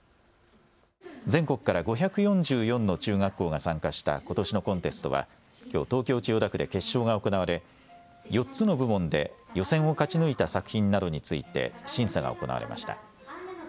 全国から５４４の中学校が参加したことしのコンテストはきょう東京千代田区で決勝が行われ４つの部門で予選を勝ち抜いた作品などについて審査が行われました。